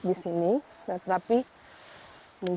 tanaman yang digunakan adalah perut